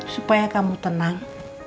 supaya kamu tenang